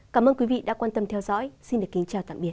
cảm ơn quý vị đã quan tâm theo dõi xin kính chào tạm biệt